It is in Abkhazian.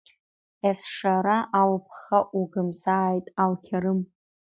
Есшара алԥха угымзааит, Алқьарым!